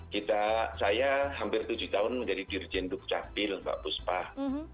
kita saya hampir tujuh tahun menjadi dirjen dukcapil mbak puspah